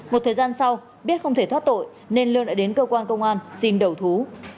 một thời gian sau biết không thể thoát tội nên lương đã đến cơ quan công an xin đầu thú